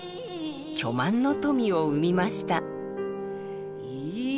巨万の富を生みました。